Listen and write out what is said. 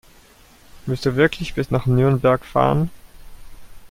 Willst du wirklich bis nach Nürnberg fahren?